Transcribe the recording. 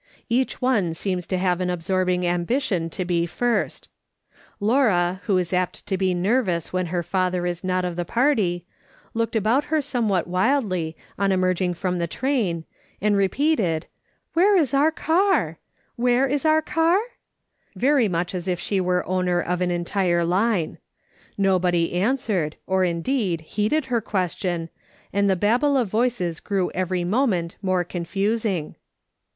Each one seems to have an absorbing ambition to be first. Ijinra, who is apt t€ be nervous when her father is 8o AfKS. SOLOMON SMITH LOOKING ON. not of tlie party, looked about her somewliat wildly on emerging from the train, and repeated, " Where is our car? where is our car?" very much as if she were owner of an entire line. Nobody, answered, or indeed, heeded her question, and the babel of voices grew every moment more confusing.